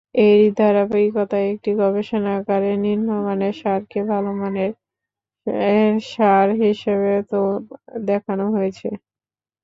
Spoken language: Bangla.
এরই ধারাবাহিকতায় একই গবেষণাগারে নিম্নমানের সারকে ভালো মানের সার হিসেবে দেখানো হয়েছে।